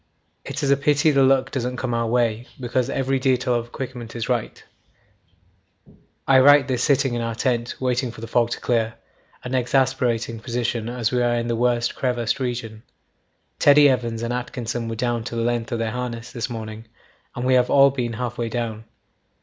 'It is a pity the luck doesn't come our way, because every detail of equipment is right. 'I write this sitting in our tent waiting for the fog to clear an exasperating position as we are in the worst crevassed region. Teddy Evans and Atkinson were down to the length of their harness this morning, and we have all been half way down.